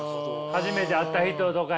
初めて会った人とかに。